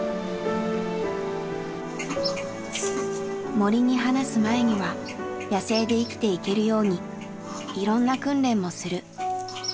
森に放す前には野生で生きていけるようにいろんな訓練もする。